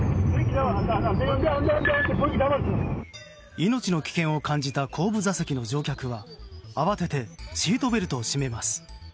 命の危険を感じた後部座席の乗客は慌ててシートベルトを締めます。